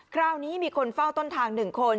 คราวนี้มีคนเฝ้าต้นทาง๑คน